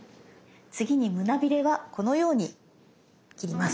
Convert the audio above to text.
次に胸ビレはこのように切ります。